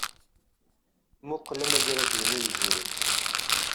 Mmuqqel amagrad-inu yezrin.